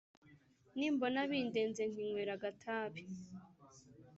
Nimbona bindenze Nkinywera agatabi